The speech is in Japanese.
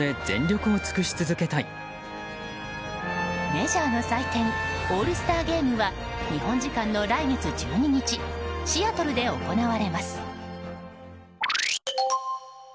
メジャーの祭典オールスターゲームは日本時間の来月１２日シアトルで行われます。